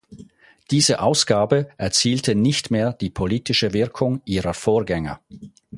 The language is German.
Diese Ausgabe erzielte nicht mehr die politische Wirkung ihrer Vorgänger.